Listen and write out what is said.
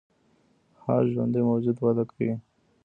هر ژوندی موجود وده کوي